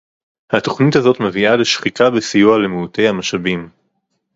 התוכנית הזאת מביאה לשחיקה בסיוע למעוטי המשאבים